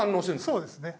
そうですね。